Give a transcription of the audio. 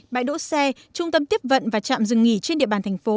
bãi đỗ xe trung tâm tiếp vận và trạm dừng nghỉ trên địa bàn thành phố